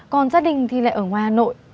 còn gia đình thì lại ở ngoài hà nội